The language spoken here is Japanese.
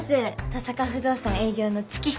登坂不動産営業の月下です。